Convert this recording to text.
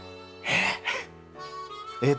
えっ？